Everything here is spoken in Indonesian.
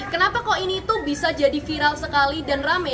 kenapa kok ini tuh bisa jadi viral sekali dan rame